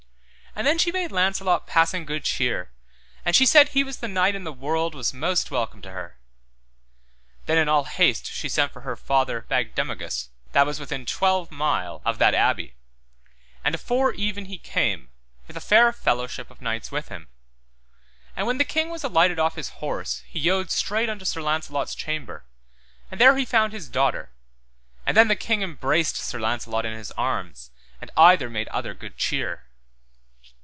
And then she made Launcelot passing good cheer, and she said he was the knight in the world was most welcome to her. Then in all haste she sent for her father Bagdemagus that was within twelve mile of that Abbey, and afore even he came, with a fair fellowship of knights with him. And when the king was alighted off his horse he yode straight unto Sir Launcelot's chamber and there he found his daughter, and then the king embraced Sir Launcelot in his arms, and either made other good cheer.